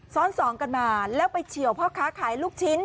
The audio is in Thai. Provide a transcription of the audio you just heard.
ซ้อนสองกันมาแล้วไปเฉียวพ่อค้าขายลูกชิ้น